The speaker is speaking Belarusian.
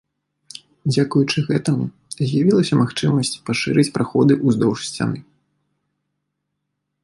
Дзякуючы гэтаму з'явілася магчымасць пашырыць праходы ўздоўж сцяны.